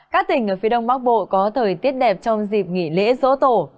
các tỉnh ở phía đông bắc bộ có thời tiết đẹp trong dịp nghỉ lễ dỗ tổ